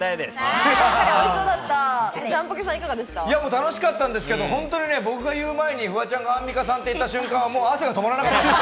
楽しかったんですけれど、僕が言う前にフワちゃんがアンミカさんと言った瞬間、汗が止まらなかったです。